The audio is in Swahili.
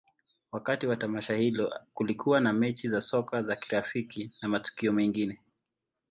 Wakati wa tamasha hilo, kulikuwa na mechi za soka za kirafiki na matukio mengine.